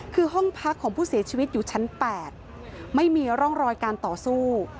คือห้องพักของผู้เสียชีวิตอยู่ชั้น๘ไม่มีร่องรอยการต่อสู้